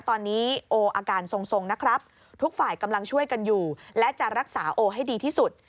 ตอนนี้โออาการทรงนะครับทุกฝ่ายกำลังช่วยกันอยู่และจะรักษาโอให้ดีที่สุด